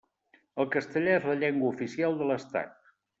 El castellà és la llengua oficial de l'Estat.